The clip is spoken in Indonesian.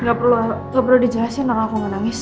nggak perlu dijelasin kalau aku nggak nangis